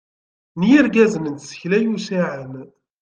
N yirgazen n tsekla yucaɛen.